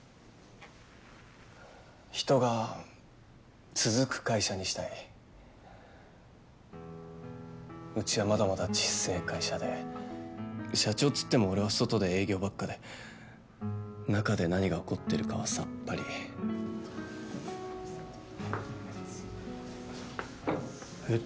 人が続く会社にしたいうちはまだまだちっせえ会社で社長っつっても俺は外で営業ばっかで中で何が起こってるかはさっぱりえっ？